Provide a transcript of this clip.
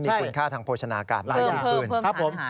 มีคุณค่าทางโภชนาการมากกว่าที่คืน